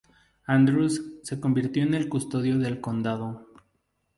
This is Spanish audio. Andrews, se convirtió en el custodio del condado.